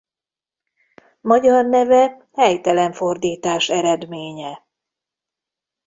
Magyar neve helytelen fordítás eredménye.